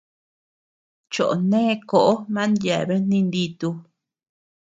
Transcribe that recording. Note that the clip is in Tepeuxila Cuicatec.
Choʼo nee kóʼo man yeabean ninditu.